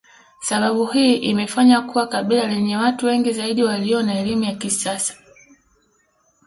Sababu hii imefanya kuwa kabila lenye watu wengi zaidi walio na elimu ya kisasa